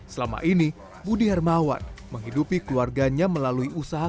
selama ini budi hermawan menghidupi keluarganya melalui usaha